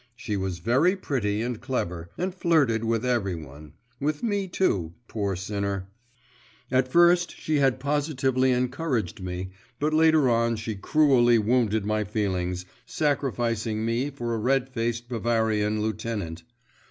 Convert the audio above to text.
She was very pretty and clever, and flirted with every one with me, too, poor sinner. At first she had positively encouraged me, but later on she cruelly wounded my feelings, sacrificing me for a red faced Bavarian lieutenant.